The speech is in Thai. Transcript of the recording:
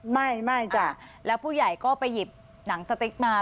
ไม่ไม่จ้ะแล้วผู้ใหญ่ก็ไปหยิบหนังสติ๊กมา